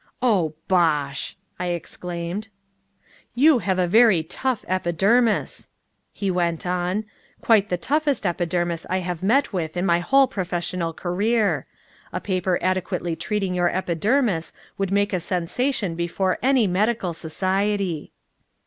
"Oh, bosh!" I exclaimed. "You have a very tough epidermis," he went on. "Quite the toughest epidermis I have met with in my whole professional career. A paper adequately treating your epidermis would make a sensation before any medical society."